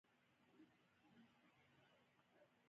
ګروپونه لکه مجاهدین او طالبان قدرت ته ورسوي